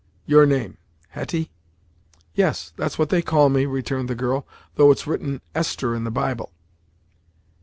Your name, Hetty?" "Yes, that's what they call me," returned the girl, "though it's written Esther in the Bible."